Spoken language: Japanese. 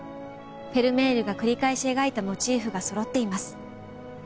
フェルメールが繰り返し描いたモチーフが揃っています。